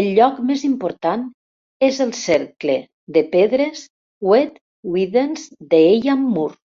El lloc més important és el cercle de pedres Wet Withens d'Eyam Moor.